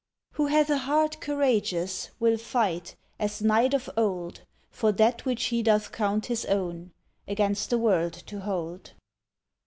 Who hath a heart courageous Will fight as knight of old For that which he doth count his own Against the world to hold.